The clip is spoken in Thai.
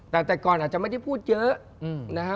แต่แต่ก่อนอาจจะไม่ได้พูดเยอะนะฮะ